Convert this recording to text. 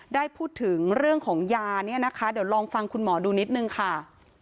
ได้พูดถึงเรื่องของยาเนี่ยนะคะเดี๋ยวลองฟังคุณหมอดูนิดนึงค่ะ